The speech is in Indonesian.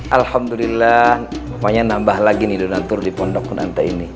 alhamdulillah namanya nambah lagi nih donatur di pendokunan teh ini